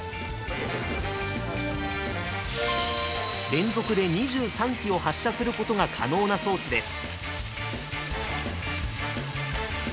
連続で２３機を発射することが可能な装置です。